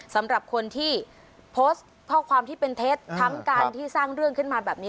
สำหรับคนที่โพสต์ข้อความที่เป็นเท็จทั้งการที่สร้างเรื่องขึ้นมาแบบนี้